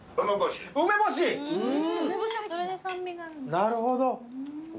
なるほど。